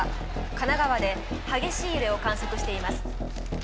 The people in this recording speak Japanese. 神奈川で激しい揺れを観測しています。